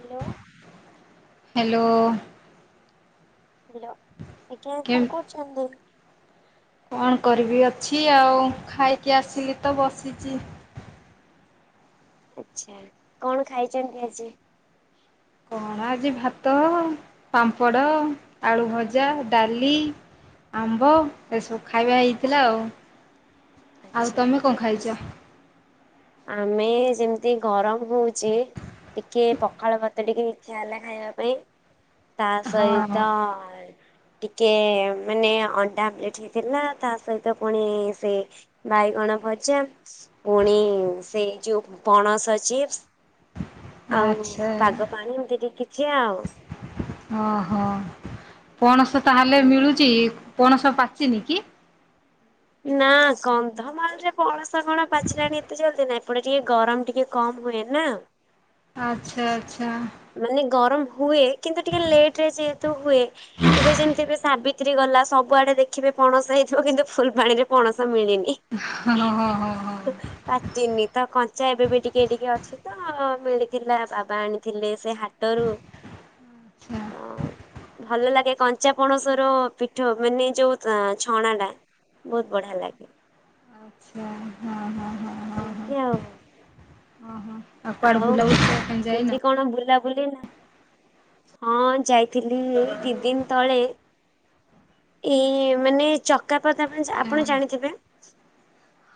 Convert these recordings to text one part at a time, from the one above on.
Hello. Hello. Hello ଆଜ୍ଞା ଏବେ କେମ୍ କଣ କରୁଚନ୍ତି? କଣ କରିବି ଅଛି ଆଉ ଖାଇକି ଆସିଲି ତ ବସିଚି। ଆଛା କଣ ଖାଇଚନ୍ତି ଆଜି? କଣ ଆଜି ଭାତ, ପାମ୍ପଡ଼, ଆଳୁ ଭଜା, ଡାଲି। ଆମ୍ବ ଏସବୁ ଖାଇବା ହେଇଥିଲା ଆଉ। ଆଉ ଆଚ୍ଛା ତମେ କଣ ଖାଇଚ? ଆମେ ଯେମିତି ଗରମ ହଉଚି ଟିକେ ପଖାଳ ମତେ ଟିକେ ଇଚ୍ଛା ହେଲା ଖାଇବା ପାଇଁ। ତା ହଁ ସହିତ ଟିକେ ମାନେ ଅଣ୍ଡା ପ୍ଲେଟ୍ ହେଇଥିଲା ତା ସହିତ ପୁଣି ସେ ବାଇଗଣ ଭଜା ପୁଣି ସେଇ ଯୋଉ ପଣସ ଚିପ୍ସ। ଆଉ ଆଚ୍ଛା ବାଗ ପାଣି ଏମିତି ଟିକେ କିଛି ଆଉ। ଓହୋ ପଣସ ତାହଲେ ମିଳୁଚି? ପଣସ ପାଚିନି କି? ନା କନ୍ଧମାଳରେ ପଣସ କଣ ପାଚିଲାଣି ଏତେ ଜଲ୍ଦି ନା? ଏପଟେ ଟିକେ ଗରମ ଟିକେ କମ ହୁଏ ନା। ଆଛା ଆଚଛା। ମାନେ ଗରମ ହୁଏ କିନ୍ତୁ ଟିକେ ଲେଟରେ ଯେହେତୁ ହୁଏ ଏବେ ଯେମିତି ବି ସାବି ତ୍ରି ଗଲା। ସବୁଆଡେ ଦେଖିବେ ପଣସ ହେଇଥିବ କିନ୍ତୁ ଫୁଲବାଣୀ ରେ ପଣସ ମିଳିନି। ହଁ ହଁ ହଁ ହଁ। ହଁ ପାଚିନି। ତ କଞ୍ଚା ଏବେ ବି ଟିକେ ଟିକେ ଅଛି ତ। ମିଳିଥିଲା ବାବା ଆଣୀ ଥିଲେ ସେ ହାଟରୁ। ହଁ ହଁ। ଭଲ ଲାଗେ କଞ୍ଚା ପଣସ ର ପିଠଉ ମାନେ ଯୋଉ ଛଣା ଟା। ବହୁତ ବଢିଆ ଲାଗେ। ଆଚ୍ଛା ହଁ ହଁ ହଁ। ଏମିତି ଆଉ। ଅ ହଁ ଆଉ କୁଆଡେ ବୁଲାବୁଲି କରିବାପାଇଁ କେମିତି ଯାଇନ? କଣ ବୁଲାବୁଲି ନା ହଁ ଯାଇଥିଲି ଏଇ ଦି ଦିନ୍ ତଳେ ଏଇ ମାନେ ଚ ଚକାପଦ ଆପଣ ଜା ଆପଣ ଜାଣିଥିବେ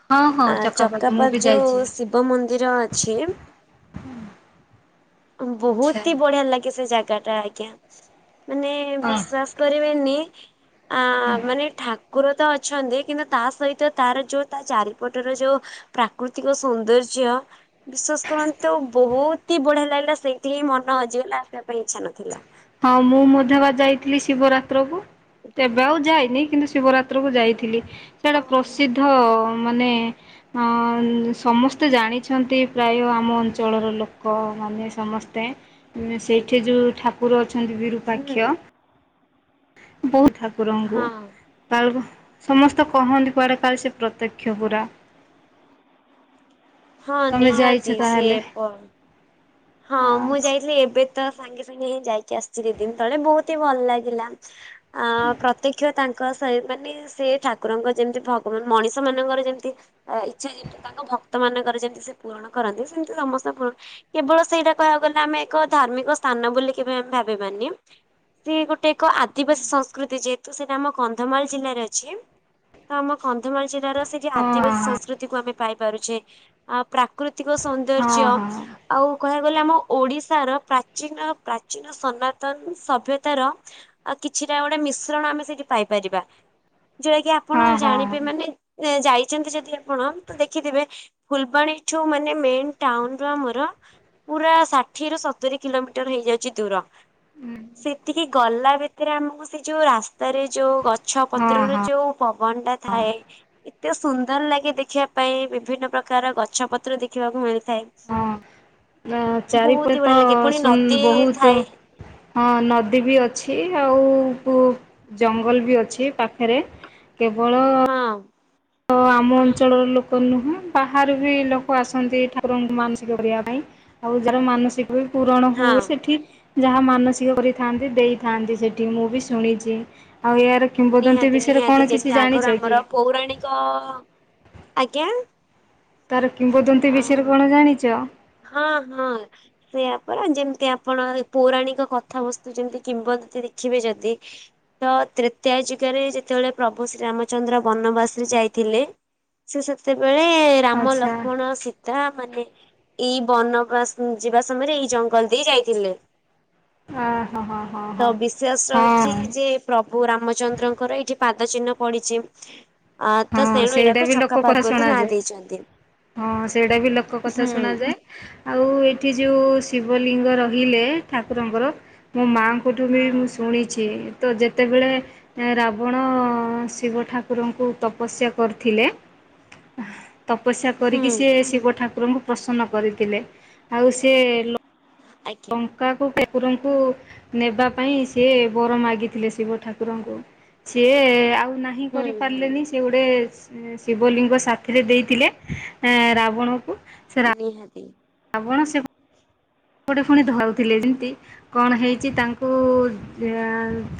ହଁ ହଁ ଆଁ ଚକାପାଖି ମୁଁ ଚକାପଜ ବି ଯଉ ଯାଇଛି ଶିବ୍ ବ ମନ୍ଦିର ଅଛି। ଆଚ୍ଛା ବହୁତି ବଢିଆ ଲାଗେ ସେ ଜାଗା ଟା ଆଜ୍ଞା। ମାନେ ଅ ବିଶ୍ଵାସ କରିବେନି ଆ ମାନେ ଠାକୁର ତ ଅଛନ୍ତି କିନ୍ତୁ ତା ସହିତ ତାର ଯୋଉ ତା ଚାରିପଟର ଯୋଉ ପ୍ରାକୃତିକ ସୌନ୍ଦର୍ଯ୍ୟ ବିଶ୍ବାସ କରନ୍ତୁ ବହୁତି ବଢିଆ ଲାଗିଲା ସେଇଠି ହିଁ ମନ ହଜିଗଲା ଆସିବା ପାଇଁ ଇଚ୍ଛା ନଥିଲା। ହଁ ମୁଁ ମଧ୍ୟବା ଯାଇଥିଲି ଶିବରାତ୍ର କୁ। ଏବେ ଆଉ ଯାଇନି କିନ୍ତୁ ଶିବରାତ୍ର କୁ ଯାଇଥିଲି ସେଟା ଓହୋ ପ୍ରସିଦ୍ଧ ମାନେ ହଁ ସମସ୍ତେ ଜାଣିଛନ୍ତି ପ୍ରାୟ ଆମ ଅଞ୍ଚଳର ଲୋକମାନେ ସମସ୍ତେ ଉଁ ସେଇଠେ ଯଉ ଠାକୁର ଅଛନ୍ତି ହୁଁ ବିରୁପାକ୍ଷ। ବହୁତ୍ ଠାକୁରଙ୍କୁ। ହଁ। କାଳରୁ ସମସ୍ତେ କହନ୍ତି କୁଆଡ଼େ କାଳେ ସେ ପ୍ରତ୍ୟକ୍ଷ ପୁରା। ହଁ ତମେ ଯାଇଛ ନିହାତି ତାହେଲେ ସିଏ ପ ହଁ ମୁଁ ଆଚ୍ଛା ଯାଇଥିଲି ଏବେ ତ ସାଙ୍ଗେ ସାଙ୍ଗେ ହିଁ ଯାଇକି ଆସିଚି ଦି ଦିନ ତଳେ ବହୁତ ଏତେ ଭଲ ଲାଗିଲା ଆଁ ପ୍ରତ୍ୟକ୍ଷ ତା ଙ୍କସେ ମାନେ ସେ ଠାକୁରଙ୍କ ଯେମିତି ଭଗବାନ ମଣିଷ ମାନଙ୍କର ଯେମିତି ଆ ଇଚ୍ଛା ଯେମତି ତାଙ୍କ ଭକ୍ତ ମାନଙ୍କର ଯେମିତି ସେ ପୂରଣ କରନ୍ତି ସେମିତି ସମସ୍ତେ ପୂରଣ କେବଳ ସେଇଟା କହିବାକୁ ଗଲେ ଆମେ ଏକ ଧାର୍ମିକ ସ୍ଥାନ ବୋଲି କେବେ ଆମେ ଭାବିବାନି। ସେ ଗୋଟେ ଏକ ଆଦିବାସୀ ସଂସ୍କୃତି ଯେହେତୁ ସେଟା ଆମ କନ୍ଧମାଳ ଜିଲ୍ଲାରେ ଅଛି। ତ ଆମ କନ୍ଧମାଳ ଜିଲ୍ଲାର ସେ ଯେ ହଁ ଆଦିବାସୀ ହଁ ସଂସ୍କୃତିକୁୁ ଆମେ ପାଇପାରୁଛେ। ଆ ପ୍ରାକୃତିକ ହଁ ସୌନ୍ଦର୍ଯ୍ୟ ହଁ ଆଉ କହିବାକୁ ଗଲେ ଆମ ଓଡିଶାର ପ୍ରାଚୀନ ପ୍ରାଚୀନ ସନାତନ ସଭ୍ୟତାର ଆଉ କିଛିଟା ଗୋଟେ ମିଶ୍ରଣ ଆମେ ସେଇଠି ପାଇପାରିବା ଯୋଉଟା କି ଆପଣ ହଁ ହଁ ଜାଣିବେ ମାନେ ଏ ଯାଇଚନ୍ତି ଯଦି ଆପଣ ତ ଦେଖିଥିବେ ଫୁଲବାଣୀଠୁ ମାନେ ମେନ୍ ଟାଉନ୍ ରୁ ଆମର ପୁରା ଷାଠିଏରୁ ସତୁୁରୀ କିଲୋମିଟର ହେଇଯାଉଚି ଦୂର। ସେତିକି ଗଲା ଭିତରେ ଆମକୁ ସେ ଯୋଉ ରାସ୍ତାରେ ଯୋଉ ଗ ଗଛ ହଁ ପତ୍ରରେ ହଁ ଯୋଉ ପବନ ଟା ଥାଏ ଏତେ ସୁ ନ୍ଦର ଲାଗେ ଦେଖିବା ପାଇଁ ବିଭିନ୍ନ ପ୍ରକାର ଗଛ ପତ୍ର ଦେଖିବାକୁ ମିଳିଥାଏ। ନା ବହୁତ ହି ଚାରିପଟ ବଢିଆ ଲାଗେ ପୁଣି ସୁ ନଦୀ ବହୁତୁ ଥାଏ ହଁ ନଦୀ ବି ଅଛି ଆଉ ପୁ ଜଙ୍ଗଲ ବି ଅଛି ପାଖେରେ। କେବଳ ହଁ। ଆମ ଅଞ୍ଚଳର ଲୋକ ନୁହୁଁ ବାହାରୁ ବି ଲୋକ ଆସନ୍ତି ଠାକୁରଙ୍କୁ ମାନସିକ କରିବା ପାଇଁ। ଆଉ ଯାର ମାନସିକ ବି ପୁରଣ ହଁ ହୁଏ ସେଠି ଯାହା ମାନସିକ କରିଥାନ୍ତି ଦେଇଥାନ୍ତି ସେଠି ମୁଁ ବି ଶୁଣିଚି ଆଉ ଏହାର କିମ୍ବଦନ୍ତୀ ନିହାତି ବିଷୟରେ କଣ ନିହାତି କିଛି ଯେମିତି ଜାଣିଛ ଆଗରୁ କି ଆମର ପୌରାଣିକ ଆଜ୍ଞା? ତାର କିମ୍ବଦନ୍ତୀ ଅଁ, ବିଷୟରେ କଣ ଜାଣିଚ? ହଁ ହଁ। ସେୟା ପରା ଯେମିତି ଆପଣ ଏ ପୌରାଣିକ କଥାବସ୍ତୁ ଯେମିତି କିମ୍ବଦନ୍ତୀ ଦେଖିବେ ଯଦି ତ ତ୍ରେତେୟା ଯୁଗରେ ଯେତେବେଳେ ପ୍ରଭୁ ଶ୍ରୀରାମଚନ୍ଦ୍ର ବନବାସରେ ଯାଇଥିଲେ। ସେ ସେତେବେଳେ ରାମ ଆଚ୍ଛା ଲକ୍ଷ୍ମଣ ସୀତା ମାନେ ଏଇ ବନବାସ ଯିବା ସମୟରେ ଏଇ ଜଙ୍ଗଲ ଦେଇ ଯାଇଥିଲେ। ଆ ହଁ ହଁ ହଁ ତ ହଁ ବିଶ୍ଵାସ ରହିଛି ହଁ କି ଯେ ପ୍ରଭୁ ରାମଚନ୍ଦ୍ରଙ୍କର ଏଇଠି ପାଦ ଚିହ୍ନ ପଡିଚି। ଆ ତ ହଁ ସେଉଣୁ ସେଇଟା ଏଇଟାକୁ ବି ଲୋକ କଥା ଛକାପାଦ୍ ବୋଲି ନାଁ ଶୁଣାଯାଏ। ଦେଇଛନ୍ତି। ହଁ ସେଇଟା ବି ଲୋକ କଥା ହୁଁ ଶୁଣାଯାଏ। ଆଉ ଏଇଠି ଯୋଉ ଶିବଲିଙ୍ଗ ରହିଲେ ଠାକୁରଙ୍କର ମୋ ମାଆ ଙ୍କଠୁ ବି ହଁ ମୁଁ ଶୁଣିଛି। ତ ଯେତେବେଳେ ରାବଣ ଶିବ ଠାକୁରଙ୍କୁ ତପ ପସ୍ୟା କରିଥିଲେ ତପସ୍ୟା କରିକି ହୁଁ ସିଏ ଶିବ ଠାକୁରଙ୍କୁ ପ୍ରସନ୍ନ କରିଥିଲେ ଆଉ ସେ ଲୋ ଆଜ୍ଞା ଙ୍କ କାକୁ ଠାକୁରଙ୍କୁ ନେବା ପାଇଁ ସିଏ ବର ମାଗିଥିଲେ ଶିବ ଠାକୁରଙ୍କୁ। ଛିଏ ଆଉ ନାହିଁ ହୁଁ ହୁଁ କରିପାରିଲେନି ସେ ଗୋଟେ ଶି ଶିବଲିଙ୍ଗ ସାଥିରେ ଦେଇଥିଲେ ରାବଣକୁ ସେ ନିହାତି। ରାବଣ ସେ ଗୋଟେ ପୁଣି ଧରୁଥିଲେ ଯେମିତି କଣ ହେଇଛି ତାଙ୍କୁ ଯ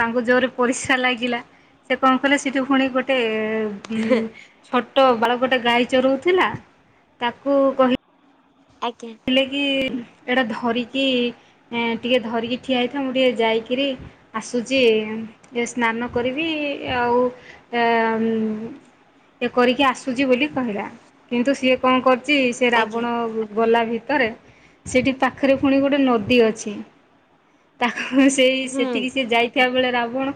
ତାଙ୍କୁ ଜୋରେ ପରିସା ଲାଗିଲା। ସେ କଣ କଲେ ସେଇଟୁ ପୁଣି ଗୋଟେ ହୁଁ ଛୋଟ ବାଳକ ଟେ ଗାଈ ଚରଉଥିଲା ତାକୁ କହି ଆଜ୍ଞା। ଥିଲେ କି ଏଇଟା ଧରିକି ଏଁ ଟିକେ ଧରିକି ଠିଆ ହେଇଥାଅ ମୁଁ ଟିକେ ଯାଇକିରି ଆସୁଚି ଏମ୍ ଏ ସ୍ନାନ କରିବି ଆଉ ଏଁ ଅମ୍ ଏ କରିକି ଆସୁଚି ବୋଲି କହିଲା କିନ୍ତୁ ସିଏ କଣ କରୁଚି ସେ ଆଜ୍ଞା ରାବଣ ଗୁ ଗଲା ଭିତରେ ସେଇଠି ପାଖରେ ପୁଣି ଗୋଟେ ନଦୀ ଅଛି। ତାକୁ ସେଇ ହୁଁ ସେଠିକି ସେ ଯାଇ ଥିବା ବେଳେ ରାବଣ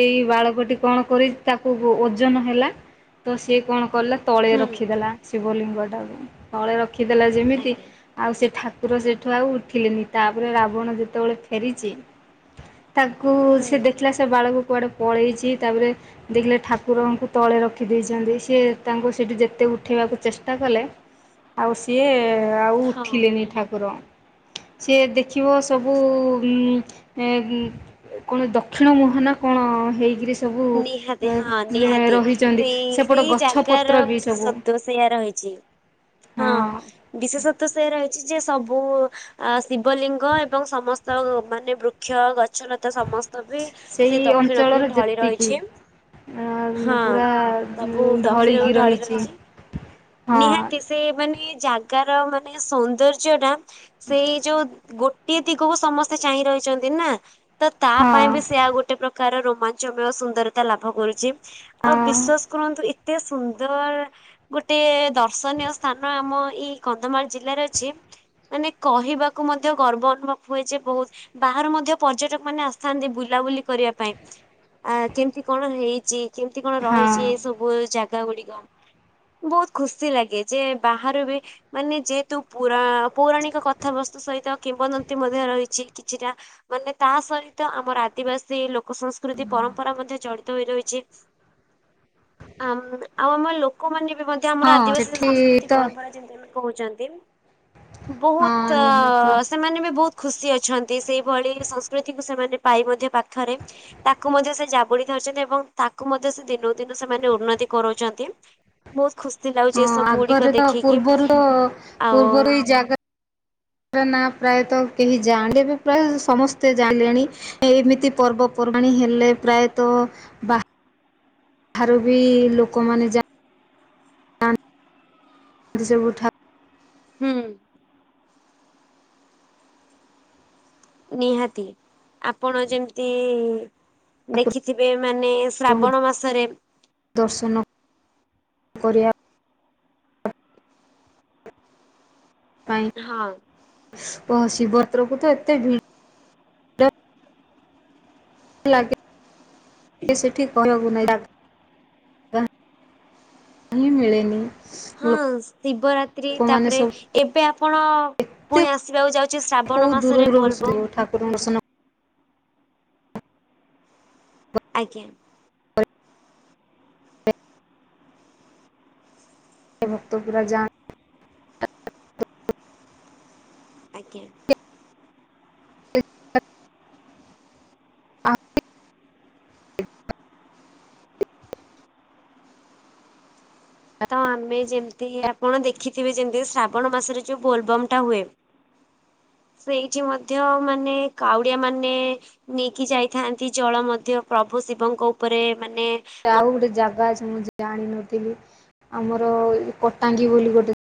ଏଇ ବାଳକଟି କଣ କରି ତାକୁ ବୋ ଓଜନ ହେଲା। ତ ସିଏ କଣ କଲା ତଳେ ହୁଁ ରଖିଦେଲା ଶିବଲିଙ୍ଗ ଟାକୁ ତଳେ ରଖିଦେଲା ଯେମିତି ଆଜ୍ଞା ଆଉ ସେ ଠାକୁର ସେଠୁ ଆଉ ଉଠିଲେନି ତାପରେ ରାବଣ ଯେତେବେଳେ ଫେରିଚି ତାକୁ ହୁଁ ସେ ଦେଖିଲା ସେ ବାଳକୁ କୁଆଡେ ପଳେଇଚି ତାପରେ ଦେଖିଲେ ଠାକୁରଙ୍କୁ ତଳେ ରଖି ଦେଇଚନ୍ତି ସିଏ ତାଙ୍କୁ ସେଠି ଯେତେ ଉଠେଇବାକୁ ଚେଷ୍ଟା କଲେ ଆଉ ସିଏ ଆଉ ହଁ ଉଠିଲେନି ଠାକୁର। ସିଏ ଦେଖିବ ସବୁ ଉଁ ଏଁ ବୁଁ ଏ କଣ ଦକ୍ଷିଣ ମୁହା ନା କଣ ହେଇକିରି ସେ ନିହାତି ହଁ ସବୁ ଏ ଏଁ ନିହାତି ରହିଛନ୍ତି ସେଇ ସେପଟ ଗଛପତ୍ର ବି ସବୁ ସେୟା ରହିଛି ହଁ ବିଶେଷତ୍ୱ ସେଇ ରହି ଯେ ସବୁ ଅ ଶିବଲିଙ୍ଗ ଏବଂ ସମସ୍ତ ମାନେ ବୃକ୍ଷ ଗଛ ଲ ତ ସମସ୍ତ ବି ସେ ଦକ୍ଷିଣକୁ ହିଁ ଢଳି ରହିଚ ନ୍ତି ଆ ପୁରା ସବୁ ଉଁ ଦକ୍ଷିଣକୁ ଢଳିକି ଢଳି ରହିଚି। ରହିଛି। ନିହାତି ସେ ମାନେ ଜାଗାର ମାନେ ସୌନ୍ଦର୍ଯ୍ୟ ଟା ସେଇ ଯୋଉ ଗୋଟିଏ ଦିଗକୁ ସମସ୍ତେ ଚାହିଁ ରହିଛନ୍ତି ନା ତ ତା ପାଇଁ ହଁ ବି ସେ ଆଉ ଗୋଟେ ପ୍ରକ କାର ରୋମାଞ୍ଚମୟ ସୁନ୍ଦରତା ଲାଭ କରୁଛି ଆଉ ହଁ ବିଶ୍ଵାସ କରନ୍ତୁ ଏ ଏତେ ସୁନ୍ଦର ଗୋଟେ ଦର୍ଶନୀୟ ସ୍ଥାନ ଆମ ଏଇ କନ୍ଧମାଳ ଜିଲ୍ଲାରେ ଅଛି। ମାନେ କହିବାକୁ ମଧ୍ୟ ଗର୍ବ ଅନୁଭବ ହୁଏ ଯେ ବହୁତ ବାହାରୁ ମଧ୍ୟ ପର୍ଯ୍ୟଟକ ମାନେ ଆସିଥାନ୍ତି ବୁଲାବୁଲି କରିବା ପାଇଁ। ଆ କେମିତି କଣ ହେଇଛି କେମତି କଣ ହଁ ରହିଛି ଏ ସବୁ ଜାଗା ଗୁଡିକ। ବହୁତ ଖୁସି ଲାଗେ, ଯେ ବାହାରୁ ବି ମାନେ ଯେହେତୁ ପୁର ପୌରାଣିକ କଥାବସ୍ତୁ ସହିତ କିମ୍ବଦନ୍ତୀ ମଧ୍ୟ ରହିଚି, କିଛିଟା ମାନେ ତା ସହିତ ଆମର ଆଦିବାସୀ ଲୋକ ସଂସ୍କୃତି ପରମ୍ପରା ମଧ୍ୟ ଜଡିତ ହୋଇ ରହିଚି। [inaudible] ଆ ଆଉ ଆମ ଲୋକମାନେ ବି ମଧ୍ୟ ଆମର ହଁ ଆଦିବାସୀ ସେଠି ସଂସ୍କୃତି ତ ପରମ୍ପରା ଯେମତି କହୁଛନ୍ତି ହଁ ବୋହୁତ ନିହାତି ସେମାନେ ବି ବୋହୁତ ଖୁସି ଅଛନ୍ତି ସେଇଭଳି ସଂସ୍କୃତିକୁ ସେମାନେ ପାଇ ମଧ୍ୟ ପାଖରେ ତାକୁ ମଧ୍ୟ ସେ ଜାବୁଡି ଧରିଚନ୍ତି, ଏବଂ ତାକୁ ମଧ୍ୟ ସେ ଦିନକୁ ଦିନ ସେମାନେ ଉନ୍ନତି କରୋଉଚନ୍ତି। ବୋହୁତ ଖୁସି [unintelligible] ହଁ ଆଗରେ ତ ଦେଖିକି। ପୂର୍ବରୁ ଆଉ ପୂର୍ବରୁ ଏଇ ଜାଗା ପା ନାଁ ପ୍ରାୟତଃ କେହି ଜାଣିବି ଏବେ ପ୍ରାୟ ସମସ୍ତେ ଜାଣିଲେଣି। ଏମିତି ପର୍ବପର୍ବାଣି ହେଲେ ପ୍ରାୟତଃ ବା ଠାରୁ ବି ଲୋକମାନେ ଯା ଯାନ୍ତି ସବୁଠାରୁ ହୁଁ। ନିହାତି ଆପଣ ଯେମିତି ଠାକୁରଙ୍କୁ ଦେଖିଥିବେ ମାନେ ଶ୍ରାବଣ ମାସରେ। ଦର୍ଶନ କରିବା। ହଁ। ଶିବ ଶିବାରାତ୍ରକୁ ତ ଏତେ ଭି ଲାଗେ ସେଠି କହିବାକୁ ନାଇଁ ଯାଗ ଯା ହିଁ ମିଳେନି। ହଁ ଶିବରାତ୍ରି ଲୋକମାନେ ତାପରେ ସବୁ ଏବେ ଆପଣ କେତେ ପୁଣି ଆସିବାକୁ ଯାଉ ଶ୍ରାବଣ ମାସରେ ବୋଲ ବମ। ପରର୍ଶନ ଆଜ୍ଞା। ଭକ୍ତ ପୁରା ଯାମ। ଆଜ୍ଞା। ହଁ। [inaudible] ତ ଆମେ ଯେମିତି ଆପଣ ଦେଖିଥିବେ ଯେମିତି ଶ୍ରାବଣ ମାସରେ ଯୋଉ ବୋଲବମ୍ ଟା ହୁଏ। ସେଇଠି ମଧ୍ୟ ମାନେ କାଉଡିଆ ମାନେ ନେଇକି ଯାଇଥାନ୍ତି ଜଳ ମଧ୍ୟ ପ୍ରଭୁ ଶିବଙ୍କ ଉପରେ ମାନେ ମ ଆଉ ଗୋଟେ ଜାଗା ଅଛି ମୁଁ ଜାଣିନଥିଲି, ଆମର କଟାଙ୍ଗୀ ବୋଲି ଗୋଟେ